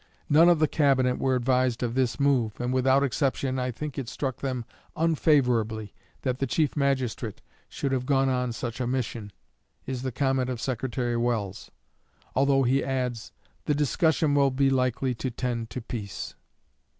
"None of the Cabinet were advised of this move, and without exception I think it struck them unfavorably that the Chief Magistrate should have gone on such a mission," is the comment of Secretary Welles, although he adds, "The discussion will be likely to tend to peace."